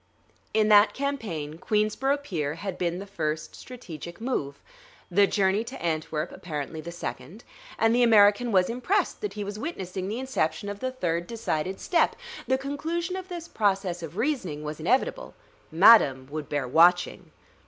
In that campaign Queensborough Pier had been the first strategic move; the journey to Antwerp, apparently, the second; and the American was impressed that he was witnessing the inception of the third decided step.... The conclusion of this process of reasoning was inevitable: Madam would bear watching.